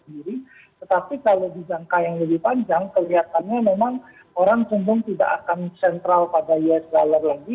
karena kalau kita lihat di jangka yang lebih panjang kelihatannya memang orang cenderung tidak akan sentral pada us dollar lagi